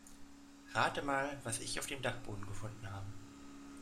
Rate mal, was ich auf dem Dachboden gefunden habe.